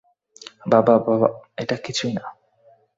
বাবা-- -এটা কিছু না।